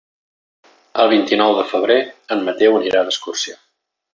El vint-i-nou de febrer en Mateu anirà d'excursió.